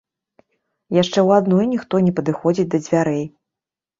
Яшчэ ў адной ніхто не падыходзіць да дзвярэй.